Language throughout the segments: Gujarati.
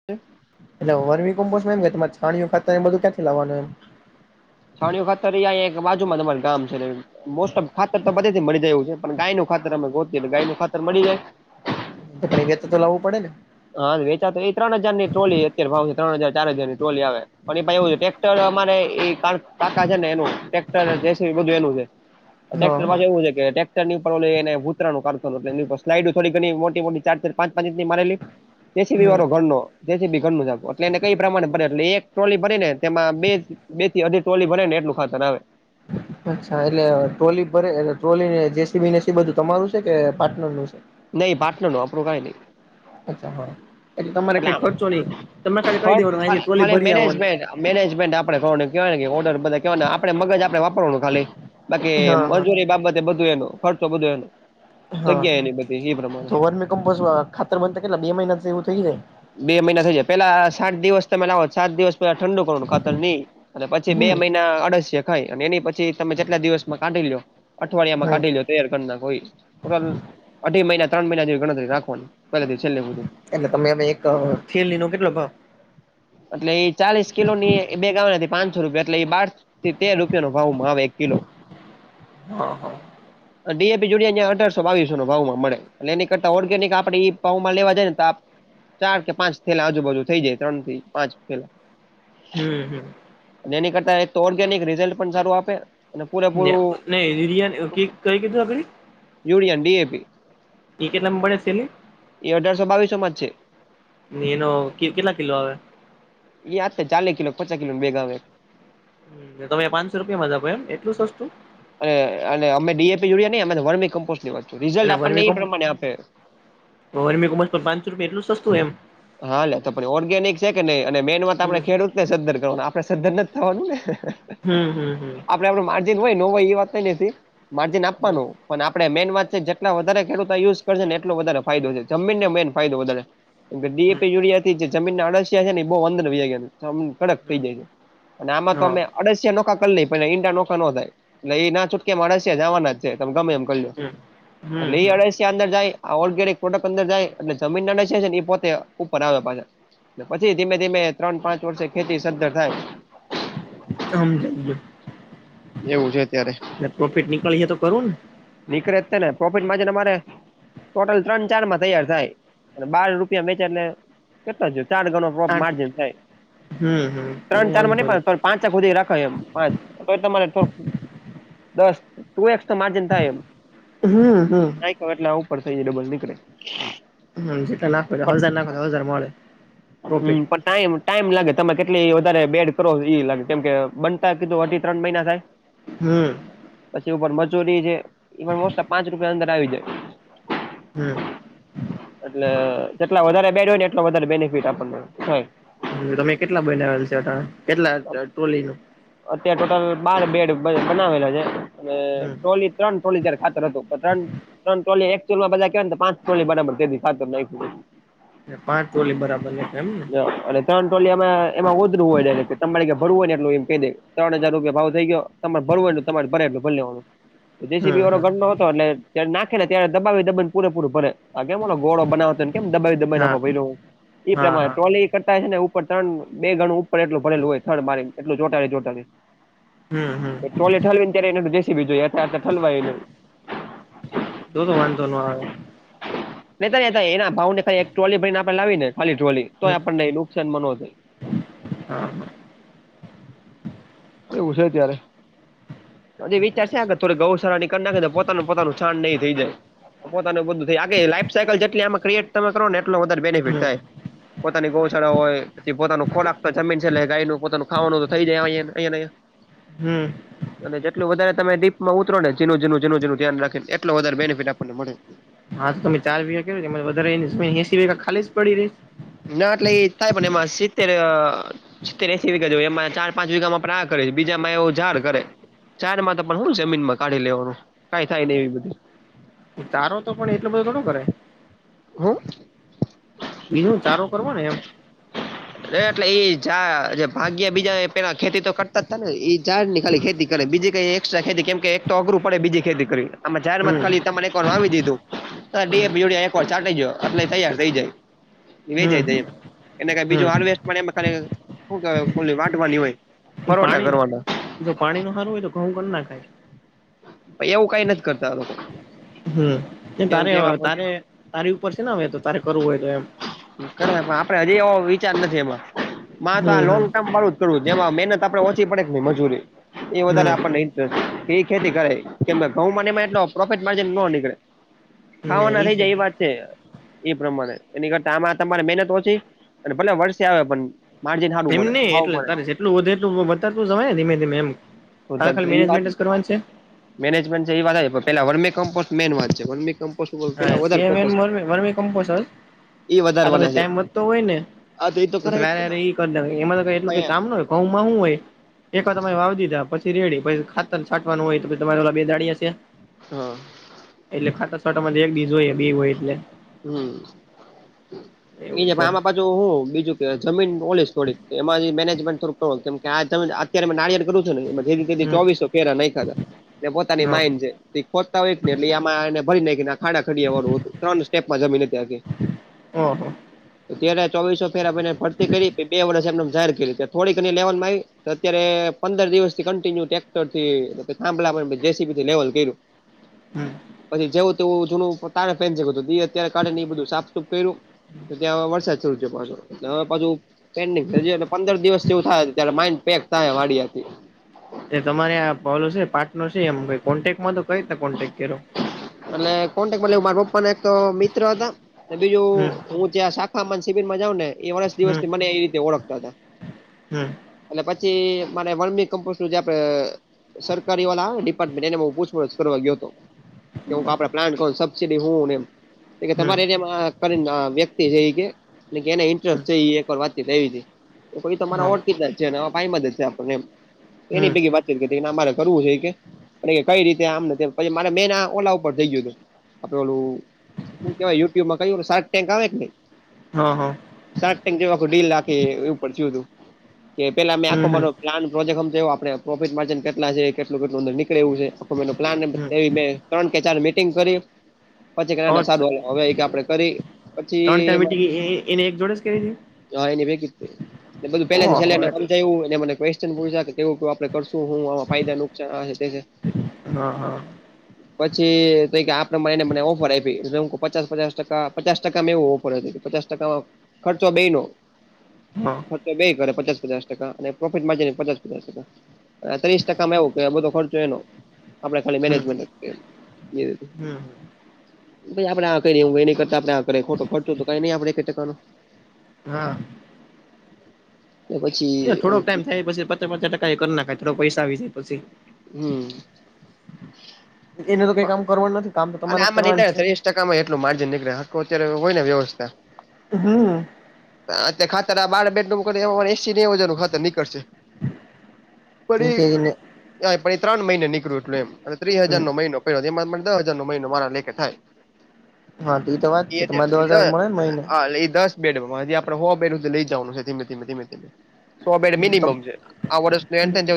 [unintelligible] એટ વમી કોમ્પોસ્ટ એમ કે તમારે છાણીઓ ખાતા એ બધ ક્યાંથી લવાનું એમ છાણી ખાતર એક બાજુ માં તમાર ગામ છે. મોસ્ટ ઓફ ખાતર તો બધેથી મળી જયું છે પણ ગાય નું ખતર અમે ગ ગાય ન ખાતર મળી જાય વે તો [unintelligible] લાવું પડે ને હા વેચા તો એ ત્રણ હજાર ની ટોલી અત્યારે ભાવ છે ત્રણ હજાર ચાર હજાર ની ટોલી આવે પણ પાછ એવું છે ટ્રેક્ટર અમારે એ કાકા છે ને એનું ટક્ટર જે બધું એનું છે. હા ટક્ટર હા. પાછ એવું છે ટેક ઉપ ઉતરાઈડ થોડી ઘણી મોટી મોટી ચાર ચાર પાચ પાંચ ચ ની મારેલી તેસી બી હમ્મ વારો ઘરનો જેથી બી ઘર મુજાગ એટલે એને કઈ પ્રમાણે ભરે એટલે એક ટ્રોલી ભરીને તેમાં બે બે અધી ટોલી ભને નેટનું ખાતર આવે અચ્છા એટલે ટ્રોલી ભરેલે ટ્રોલીને જે સી બી નેસી બધું તમારું છે કે પાર્ટનર નું છે. નઈં પાટ નો આપણું કઈ નઈં અચ્છા હા એ તમારે એટલે કઈ આમ ખર્ચો નહી તમે ખાલી કરી ખર્ચ દેવાનો અની ખાલી ટ્રોલી ખાલી ભરી આવવાની મેનેજમેન્ટ મેનેજમેન્ટ આપણે કરવાનું કેહેવાયને કે ઓર્ડર બધા કહેવાયને આપણે મગજ આપડ વાપરવાનું ખાલી બાકી હા હા મંજૂરી બાબતે બધું એનો ખર્ચો બધું એનું હા તો વમમપ ખાતર બનતા કેટલા બે મહિનાથી એવું થઇ જાય બે મહિના થઈ જાય પેલા સાત દિવસ તમે લાવો સાત દિવસ ઠંડુ કર ખાર ન અને પછી બે હમ્મ મહિના અડસે ખાય અને એની પછી તમે જેટલા દિવસમાં કાઢી લો અઠવાડિયામાં હમ્મ કાઢી લો્યો તૈયાર કર નાખો ઈ ટોટલ અઢી મહિના ત્રણ મહિના જે ગણતરી રાખવાની પેલ થી છેલે હુધી એટલે તમે અમે એક થેલી નો કેટલો ભાવ એટલે એ ચાલીસ કિલો ની એ બેગ આવના થી પાંચસો રૂપિયા એટલે એ બાર થી તેર રૂપિયા નો ભાવ માં આવે કિલો હા હા. ડીએપી જોડ અં અઢારસો બીસો ભાવમાં મળે એની કરતા ઓડ કે કે આપડે એ પાઉ માં લેવા જાય ને તો આપ ચાર કે પાંચ થયેલા આજુબાજુ થઈ જાય ત્રણ થી પાંચ થેલા હમ્મ હમ્મ એની કરતા તો ઓર્ગેનિક રિઝલ્ટ પણ સારું આપે. અને પૂરેપૂરું [unintelligible] કઈ કીધું [unintelligible] યુરિયા ડીએપી એ કે નંબરે [unintelligible] એ અઢારસો બાવીસો માં જ છે. ની એનો કેટલા કિલો આવે યા ચાલે કિલો પચાસ કિલો ભેંગા આવેે તમે પાંચસો રૂપિયામાંજ આપો એમ એટલું સસ્તું અને અને અમે ડીએપી યુરીયા નઈ અ વર્મી કમ્પોસ્ટ ની વાત છું. રિઝલ્ટ એટલે આપણને વર્મી એ પ્રમાણે આપે કો વરમી કોમ્પસ પણ પાંચસો રૂપિયા એટલું સસતું એમ હા લે તો પણ ઓર્ગેનિક છે કે નહી અને મેન વાત આપણે હમ ખેડૂત સદ્ધર કરવાનું આપડે સદ્ધર નથી થવાનું ને હમ હમ આપડે આપડું માર્જિન હોય એ વાત નઈ માર્જિન હમ આપવાનું પણ આપણે મેઈન વાત છે જેટલા વધારે ખેડૂતો આ યુઝ કરશે ને એટલો વધારે ફાયદો છે જમીનને મેઈન ફાયદો વધારે હમ ડીએપી યુરીયાથી જમીનના અળસિયા છે ને બો અંધર વયા ગયા આમ કડક હમ થઈ જાય છે અને આમાં તો હા અમે અડશિયા ડોકા કર લઈ ઈંડા નોખા નો થાય એટલે એ ના છૂટકમાં અડશિયા જવાના જ છે તમે ગમે એમ એટલે હમ હમ એ હમ અડસિયા અંદર જાય ઓર્ગેનિક પ્રોડક્ટ અંદર જાય એટલે જમીનના અળસિયા છે એ પોતે ઉપર આવે પાહા પછી ધીમે ધીમે ત્રણ પાંચ વર્ષે ખેતી સદ્ધર થાય. [unintelligible] એવું છે અત્યારે એટલે પ્રોફિટ નીકળીએ તો કરું ને નીકળે જ છે ને પ્રફિટ માં છે ને મારે ટોટલ ત્રણ ચાર માં તૈયાર થાય અને બાર રૂપિયા [unintelligible] કેટલો જો ચાર ગણ કોક આઠ માર્જન થાય હમ હમ તો ત્રણ ચાર માં વાંધો નઈ નહી પાંચ હુંધી રખાય એમ પાંચ તો તમારે [unintelligible] દસ ટુ એક્સ તો માર્જિન થાય એ હમ્મ હમ્મ. [unintelligible] ઉપર થઈ જાય ડબલ નીકળે હ જેટલા નાખો પણ હજાર નાખો હજાર મળે હમ પ્રોફીટ પણ ટાઈમ ટાઈમ લાગે તમે કેટલી વધારે બેડ કરો એ લાગે કેમ કે બનતા કીધું હતી ત્રણ મહિના થાય હમ્મ. પછી ઉપર મજુરી છે એ પણ મોસ્ટ પાંચ રૂપિયા અંદર આવી જાય. હમ્મ. એટલે જેટલા વધારે બેડ હોયને એટલો વધારે બેનિફિટ આપણને. તમે કેટલા બનાવેલ છે હતા કેટલા [unintelligible] અત્યારે ટોટલ બાર બેડ બનાવેલા છે અને હમ ટ્રોલી ત્રણ ટોલીજાર ખાતર હતો ત્રણ ત્રણ ટોલી [unintelligible] પાંચ ટોલી બરાબર [unintelligible] અને ત્રણ ટોલીમાં એમાં ઓધરું હોય જાયને [unintelligible] જેસી બી હમ વારો હમ [unintelligible] એટલે નાખે ત્યારે દબાવી દબાવીને પૂરે પૂરો ભરેે આ [unintelligible] ગોળો બનાવે [unintelligible] હા હા હા ને ઉપર ત્રણ બે ગણું ઉપર હમ હમ એટલું [unintelligible] ઠલવી ને ત્યારે એનો તો જે સી બી જોઈએ ત્યારે તો ઠલવાય એનું. તો તો વાંધો ન આવે. [unintelligible] તોય આપ પણ નહી હમ નુકસાનમાં નોંધાય. [inaudible] એવું છે ત્યારે હજી વિચાર છે કે થોડી ગૌશળાની કર નાખેને પોતાનું પોતાનું છાણ ને ઈ થઈ જાય. પોતાનું બધું થાય આ લાઈફ સાયકલ જેટલી આમાં ક્રિએટ તમે કરો ને એટલો વધારે બેનિફિટ હમ થાય. પોતાની ગૌશાળા હોય પછી પોતાનું ખોરાક તો જમીન છે એટલે ગાયનું પોતાનું ખાવાનું તો થઈ જાય એને. અહી ને અયા. હમ. અને જેટલું વધારે તમે દીપમાં ઉતરોને, જીનું જીનું જીનું જુનું ધ્યાન રાખીને એટલો વધારે બેનિફિટ આપણને મળે. હા તો તમે ચાર બીગા કે વધારે એસી વીઘા ખાલી જ પડી રહે.? ના એટલે એ થાય પણ એમાં સિત્તેર સિત્તેર એસી વીઘા જોયે, એમાં ચાર પાંચ વીગામાં પર આ કરે છે, બીજામાં એવું ઝાડ કરે. ચાર મા પણ હું જમીનમાં કાઢી લેવાનું કઈ થાય ને એવી બધી? તારો તો પણ એટલો બધો ઘણો કરાય? હા. બીજું ચારો કરવોને એમ.? એટલે ઈ જા ભાગ્યા બીજા પેલા ખેતી તો કરતા તા ને એ ઝાડની ખાલી ખેતી બીજી કઈ એકસ્ટા ખેતી? કેમ કે એક તો અઘરું પડે બીજી ખેતી કરવી જાહેરમાં હમ ખાલી તમા એક વાર વાવી દીધું. હમ જોડ [unintelligible] એકવાર ચાંટી દયો એટલે તૈયાર થઈ જાય વેચાય હમ જાય એમ. એને કઈ બીજું હમ હાર્વેસ્ટમાં ને એમાં વાટવાની હોય. પરોઠા પાણી, કરવાના જો પાણી નુ હારુ હોય તો ઘઉ કર નાખાય. પણ એવું કઈ નથી કરતા આ લોકો. હ એ કેમ તારે કે એમાં પછી તારે તારી ઉપર છે ને હવે તો, તારે કરવું હોય તો એમ.? કરે પણ આપડે હજી એવો વિચાર નથી એમાં માં તો આ હમ લોંગ ટર્મ વાળું કરું. જેમાં મહેનત આપડે ઓછી પડે છે ને મજૂરી એ વધારે હમ આપણને ઇન્ટરેસ્ટ એ ખેતી કરે. કેમ ઘઉંમાં ને એમાં એટલો પ્રોફિટ માર્જિન ન નીકળે ખાવાના થઈ જાય એ વાત છે એ પ્રમાણે એની કરતા આમાં તમારે મહેનત ઓછી, અને ભલે વર્ષે આવે પણ માર્જિન સારું એમ મળે નહિ, ભાવ એટલે મળે તારે જેટલું વધે એટલું વધારતા તું જવાયને ધીમે ધીમે એમ. હા તો ખાલી એ વાત મેનેજમેન્ટ જ કરવાની છે. મેનેજમેન્ટ છે. એ વાત પેલા વર્મી કમ્પોસ્ટ મેન વાત છે વર્મી કમ્પોસ્ટ ઉપર પેલા હા વધારે સેમ એમ ફોકસ વર્મ કરવાનું વર્મી કમપોસ્ટ આવે. એ આ તો પછી વધારવાના છે ટાઈમ વધતો હોયને, આ એ તો કરાય જ ને વારે ઈ કરી દેવાય, એમાં તો એટલું કઈ કામ ન હોય. ઘઉંમા હું હોય.? એક વાર તમે વાવી દીધા પછી રેડી, પછી ખાતર છાંવાનું હોય તો, પછી તમારે ઓલા બે દાડયા છે. હા. એટલે ખાતર છાંટવા માટે એક દી જોઈએ હોય બે હોય એટલે હમ એ એવું જ છે આઆમાં પાછું હું બીજું કે જમીન ઓલીશ થોડી, એમાં મેનેજમેન્ટ થોડુક કેમ કેમ અત્યારે નારિયળું કરુ છુંને જેમાં હમ ચોવીસો કયારા નાખ્યા થાતા ને પોતાની હા માઇડ છે ખોટતા હોય ને એટલે આમાં એને ભરી નાખીને ખાડા ખડી આવવાનું હતું ત્રણ એપ મા જમીને ત્યાં કે ઓહો ત્યારે ચોવીસોને પેરા ભારને ભરતી કરી. પછી બે વર્ષ એમ ને એમ ઝાડ કર્યું થોડી ઘણી લેવલમાં આવી. અત્યારે પંદર દિવસ થી કન્ટિન્યુ ટેક્ટરથી થાંભલા જેસીબી થી લેવલ કર્યું. હ [inaudible] હમ પછી જેવું તેવું જુનું તારે પેન હતું ઈ અત્યારે કાઢી ને એ બધું સાપસુપ કર્યું. તો ત્યાં હવે વરસાદ શરૂ છે પાછો એટલે હવે પાછું પેન્ડિંગ છે. પંદર દિવસથીવું થાય ત્યારે માઇન્ડ પેક થાય વાડી આખીએ થી એ તમારે આ પેલો છે પાર્ટનર છે. એમ કોન્ટેક્ટમાં તો કઈ રીતે કોન્ટેક્ટ કરો? અને કોન્ટેક્ટ મા એવુ, મારા પપ્પાને એક તો મિત્ર હતા. બીજું હમ હું ત્યા સા શિબિર માં જાવ ને એ વર્ષ દિવસ હમ થી મને એ રીતે ઓળખતા હતા. હમ એટલે પછી મને વર્મી કમ્પોસ્ટ નું જે આપડે સરકારી વાળા ડિપાર્ટમેન્ટ એને હું પૂછડ ફવા ગયો હતો. કે હું કે આપડે પ્લાન્ટ કોણ સબસીડી હું એ હમ તમારે એરિયા મા કરીને વ્યક્તિ છે એ કે એને હમ ઇન્ટરેસ્ટ છે, એક વાર વાત થવી હતી કોઈ તો તમારા હા ઓળ કીધા છે પાઈમાં જ છે આપણને એની હમ ભેગ વાત અમારે કરવું છે કે, કઈ રીતે આમ ને તેમ પછી મેં એના ઓલા ઉપર જઈ ગયું હતું, આપડે ઓલું શું કેવાય? યુટ્યુબ માં શાક ટેક ઇન્ડિયા આવે કે ન હા, હા. સાત ટ જેવા ડીલખે એવું પયું હતું કે, પેલા મેં હમ આખો હમ મા પ્લાન. પ્રોજેક્ટ. હમ, એ આપણે પ્રોફિટ માર્જિન કેટલા છે, કેટલું કેટલ અર નીકળે એ છે, આખ મે એનું પ્લાન એ હમ એવી મેં. ત્રણ કે ચાર મીટિંગ કરી. પછી કેને અચ્છા સાધવા, હવે આપણે કરી પછી એમાં. એ કે. હા, એને ભુ કીધું, બધું પેલાથી થું ઓહો એટલે મને. કેવું કે, આપણે કરશું. હું આ ફાયદા નુકસાન. હા, હા. પછી તો આપડે મા એને મને ઓફર આપી, પચાસ-પચાસ ટકા પચાસ, ટકામાં એવું ઓફર હતું, પચ ટકા ખર્ચો બેન. હા. ખર્ચો બે કરે, પચાસ-પચાસ ટકા અને પ્રોફિટ માંને પચાસ- પચાસ ટકા. ત્રીસ ટકામાં એવું કે, બધો ખર્ચો એનો મેજ હમ [unintelligible] હમ ભાઈ આપે આ કરીએ, હું એની કરતા ગણે આ ખો ખર્ચો તો કઈ નઈ આપડે ટકાનો. હા. પછી એ થોક ટાઈમ થાય, પછી પચાસ-પચાસ ટકા કરી નાખાય, થોડો પૈસા આવી જાય પછી. હમ. એને તો કઈ કામ કરવાનું નથી. કામ તો અને તમારે જ આમાં. કરવાનું હ, છે ત્રીસ ટકા માં એટું માર્જિન નીકળે આખું અત્યારે હોય ને વ્યવસ્થા. હમ. અત ખાતર આ બાર બેડરૂમ કરી, એસી જાનું ખતર નીકળશે. પી ને પણ એ ત્રણ મહિને નીકળ્યું, એટલે એમ અને ત્રી હજાર નો મહિનો. દ હજાર ન મહિનો, મારા લેખ થાય. હા તો તો વાત એ છે હટ તમારે એ દસ હજાર જ મળે ને મહિને દસ. બેડ માં આપણે હોય, બેડધ લઈ જવાનું છે, ધીમે-ધીમે, ધીમે-ધીમે સો બેડ મિનિમમ છે, આ વર્ષ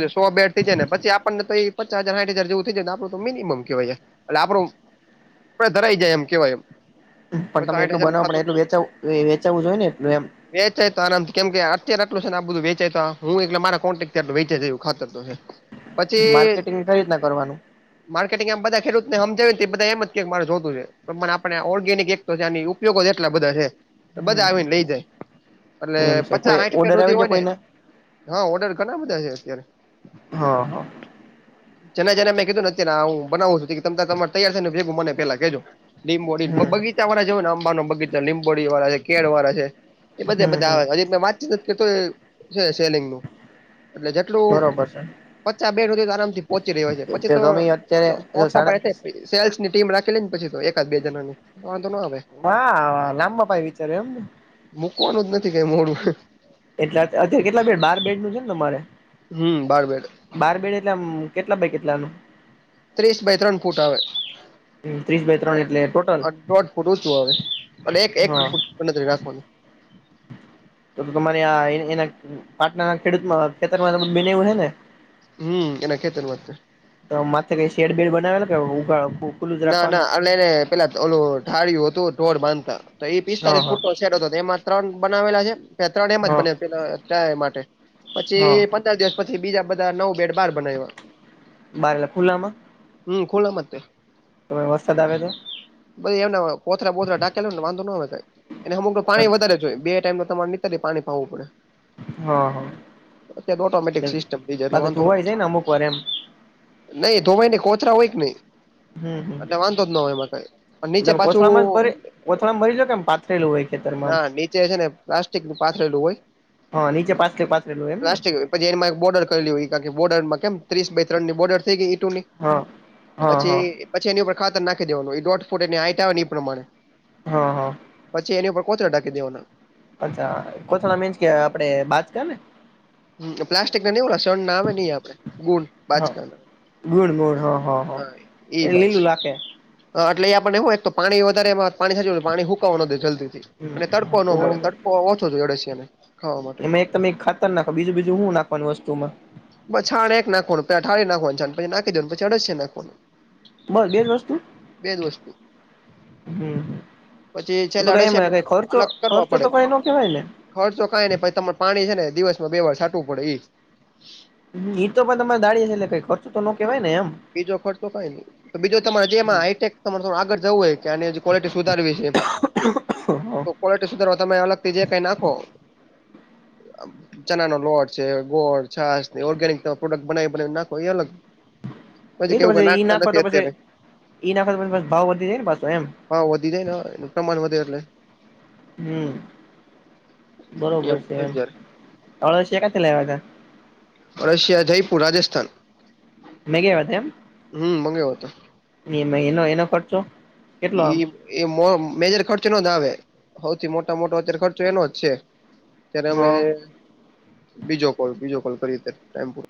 એ સો બેડ થઈ જાયને પછી આપણને તો એ પચાસ હજાર સાઈઠ હજાર જેવું થઈ જાયને આપડું તો મિનમમ કેવાય એમ એટલે આપણું આપણે ધરાઈ જાય એમ કેવાય એમ. તો પણ તમે સાઠ એટલું હજારનું બનાવો પણ થાતું એટલું વેચાઉં વેચવું જોઈ ને એટલું એમ વેચાય તો આરામથી કેમ કે અત્યારે આટું છે ને આ બધું વેચાય હું એટલે મારા કોન્ટેક્ટ થી વેચાયે ખાતર તો હૈ. પછી માર્કેટિંગ કઈ રીતના કરવાનું માર્કેટિંગ આમ બધા ખેડૂતને હમજાવી ને બધા એમ કે કે મારે જોતું છે. પણ મને આપણે ઓર્ગેનિક એક તો છે એ ઉપયોગો જ એટલા બધા છે. બધા આવીને લઈ જાય એટલે એમ છે પચા કોઈ હાઇઠ રૂપિયા ઓર્ડર રોજી આવી હોય જાય ને. કોઈને હા ઓર્ડર ઘણા બધા છે અત્યારે. હા હા જેને જેને મેં કીધું ને અત્યારે હું બનાવ છું ઈ કે તમા તૈયાર છે ને ભેગું મને પેલા કેજો. લીંબોડી હમ બગીચા વાળા જ હોય ને આંબાના બગીચા લીંબોડી વાળા છે, કેળ વાળા છે. એ બધા હમ બધા હમ આવે હજુ તો મેં વાત નથી કરી તોય જે સેલિંગનો એટલે જત ટલું બરોબર પચા બેડ હુધી તો આરામ થી પહોંચી રહ્યો છે, પછી તો તમે એટ અત્યારે મોટા પાયે સાડા થાય. સેલ્સ ની ટીમ રાખી લે ને પછી તો એકાદ બે જણાની વાંધો ના આવે. હા લાંબા પાઈ વિચાર એમને. મૂકવાનું જ નથી કઈ મોડું. એટલા અત કેટલા છે બાર બેડ નું છે ને તમારે. હમમ બાર બેડ. બાર બેડ એટલે કેટલા બાય કેટલાનું. ત્રીસ બાય ત્રણ ફૂટ આવે. ત્રીસ બાય અ ત્રણ એટલે ટોટલ લગભગ દોઢ ફૂટ ઊંચું હવે એ એક એક હા ફૂટ ગણતરી રાખવાનું. તો તમારી આ એના પાટણાના ખેડૂત ખેતર માં બધું બનેવું હે ને. હમમ એના કેેતે. [unintelligible] તો માથે કઈ શેડ બેેડ બનાવેલા કે ઉભા. ના ના એટલે એને પેલા ઓલું ઠાળ્યું હતું ઢોળ બાંધતા તો એ હા પિસ્તાલીસ હા ફૂટ છે. એમાં ત્રણ બનાવેલા છે ત્રણ માં જ હા બને પેલા કાયમ માટે પછી હા કાલ દિસ પછી બીજા બધા નવ બેડ બાર બનાવ્યા. બાર એટલે ખુલ્લા માં. હમમ ખુલ્લા માં તે એમાં વસાદ આવે તો. ભાઈ એના કોથરા બોથરા ઢાકેલા ને વાંધો ન આવે કાય એને અમુક તો પાણી વધારે જો બે ટાઈમ તો એટલે પાણી પાવવું પડે. હા હા અતયાર તો ઓટોમેટિક સિસ્ટમ થઈ ગઈ એટલે બાકી વાંધો ન ધોવાઈ આવે. જાય ને અમુક વાર એમ નઈ ધોવે ને કોથરા હોય કે નય. હમ હમ એટલે વાંધો જ ન હોય એમાં કઈ પણ નીચે તમે પાછું. થેઇલુ હોય ખેતર માં ના નીચે છે ને પ્લાસ્ટિક નું પાથરેલું હોય. હા નીચે પ્લાસ્ટિક પાથરેલું હોય. પ્લાસ્ટિક પછી એમાં એક બોર્ડર કરેલી હોય કે બોર્ડરમાં કેમ ત્રીસ બાય ત્રણ ની બોર્ડ થઈ ગઈ ઇંટો ની. હા હા પછી હા પછી એની ઉપર ખાતર નાખી દેવાનું એ દોઢ ફૂટ એની હાઈટ આવેને ઈ પ્રમાણે. હા હા. પછી એની ઉપર કોથળા ઢાકી દેવાના. અચ્છા કોથળા મીન્સ કે આપડે બાજકા ને. હમમ. પ્લાસ્ટિક ના નય લસણ ના આવે ને આપડે ગુણ હા બાજકા ના. ગુણ ગુણ હા હા હા અ એ બાજ લીલું લાખે અ એટલે આપને હું એક તો પાણી વધારે પાણી પાણી હુકવવા નો દેય જલ્દીથી. હમ એટલે તડકો ન તો મળે તડકો ઓછો જોડે છે એને ખાવા માટે. એટલે એક ખાતર નાખ બીજું બીજું શું નાખવાની વસ્તુમાં. બસ છાણ જ નાખવાનું પછી ઠારી નાખવાનું છાણ પછી નાખી દેવાનું પછી અડસિયા નાખવાનું. બસ બેજ વસ્તુ. બે જ વસ્તુ હમમ પછી તો છેલ્લે તો કઈ અળસિયા મળે ખર્ચો અલગ કરવા ખર્ચો પડે તો કય ન કેવાય ને. ખર્ચો કઈ ના પછી તમારે પાણી છે ને દિવસ માં બે વાર છાટવું પડે ઈ જ. ઈ તો પણ તમારે દાડી ને એટલે કઈ ખર્ચો તો ન કેહેવાય ને એમ. બીજો ખર્ચો કઈ નહી તો બીજો તમારે જેમાં હાઈટેક તમારે આગળ જવું હોય કે આ. ક્વોલિટી સુધારવી છે. તો કવોલિટી સુધારવા તમે અલગ થી જે કાઈ નાખો. અમ ચણા નો લોટ છે. ગોળ, છાસ ઓર્ગેનિક પ્રોડક્ટ બનાવી બનાવી નાખો એ અલગ એ તો કેવું કે પછી ઈ નાખતા નાખો નથી તો પછી અત્યારે ઈ નાખો તો પછી ભાવ વધી જાય ને પાછો એમ. ભાવ વધી જાય ને એનું પ્રમાણ વધે એટલે હમમ બરોબર એવું છે એમ. અત્યારે અળસિયાં ક્યાં થી લાયવાતા? અળસિયા જયપુર, રાજસ્થાન મેંગાયવા તા એમ. હમ મંગાવ્યો હતો એનો એનો ખર્ચો કેટલો આમ ઈ એ મો મેજર ખર્ચ ન જ આવે. હવથી મોટામાં મોટો અત્યારે ખર્ચો એનો જ છે. ત્યારે હ બીજો કોય બીજો કોય કરીએ ત્યારે, ટાઈમ પૂરો.